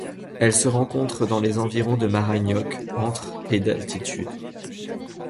Elle se rencontre dans les environs de Maraynioc entre et d'altitude.